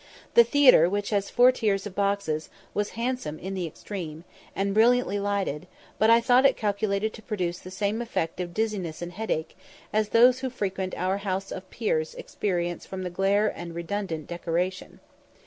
The theatre, which has four tiers of boxes, was handsome in the extreme, and brilliantly lighted; but I thought it calculated to produce the same effect of dizziness and headache, as those who frequent our House of Peers experience from the glare and redundant decoration.